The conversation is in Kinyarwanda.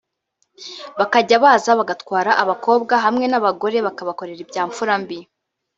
bakajya baza bagatwara abakobwa hamwe n’abagore bakabakorera ibya mfura mbi